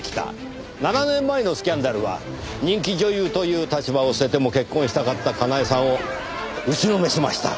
７年前のスキャンダルは人気女優という立場を捨てても結婚したかったかなえさんを打ちのめしました。